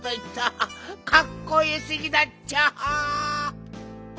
かっこよすぎだっちゃ！